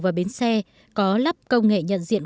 và bến xe có lắp công nghệ nhận diện